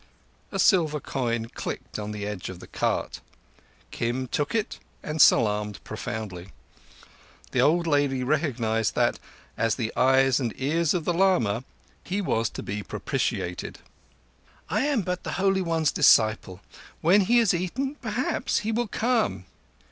A silver coin clicked on the edge of the cart. Kim took it and salaamed profoundly. The old lady recognized that, as the eyes and the ears of the lama, he was to be propitiated. "I am but the Holy One's disciple. When he has eaten perhaps he will come."